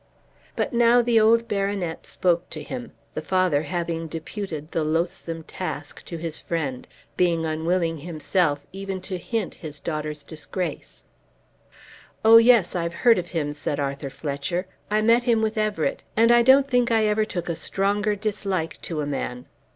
But now the old baronet spoke to him, the father having deputed the loathsome task to his friend, being unwilling himself even to hint his daughter's disgrace. "Oh, yes, I've heard of him," said Arthur Fletcher. "I met him with Everett, and I don't think I ever took a stronger dislike to a man.